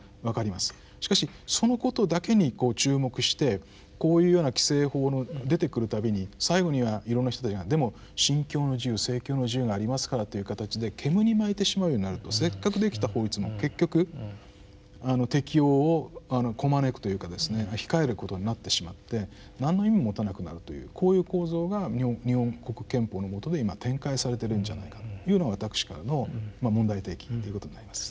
しかしそのことだけに注目してこういうような規制法の出てくる度に最後にはいろんな人たちが「でも『信教の自由』政教の自由がありますから」という形で煙に巻いてしまうようになるとせっかくできた法律も結局適用をこまねくというかですね控えることになってしまって何の意味も持たなくなるというこういう構造が日本国憲法のもとで今展開されてるんじゃないかというのが私からの問題提起ということになります。